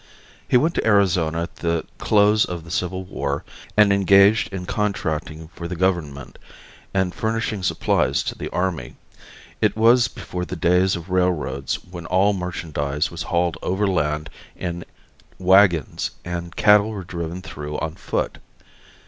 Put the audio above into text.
He went to Arizona at the close of the Civil War and engaged in contracting for the Government and furnishing supplies to the army. It was before the days of railroads when all merchandise was hauled overland in wagons and cattle were driven through on foot.